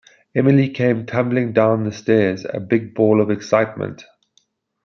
Emily came tumbling down the stairs, a big ball of excitement